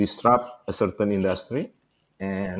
untuk mengganggu industri tertentu